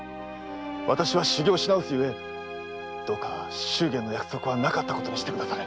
私は修業しなおすゆえどうか祝言の約束はなかったことにしてくだされ。